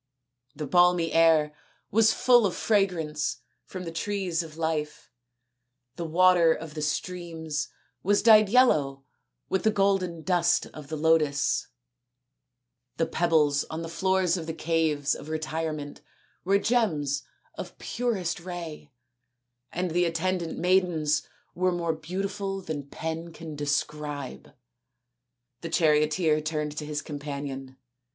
The balmy air was full of fragrance from the trees of life ; the water of the streams was dyed yellow with the golden dust of the lotus ; the pebbles on the floors of the caves 248 THE INDIAN STORY BOOK of retirement were gems of purest ray ; and the attendant maidens were more beautiful than pen can Describe. The charioteer turned to his companion.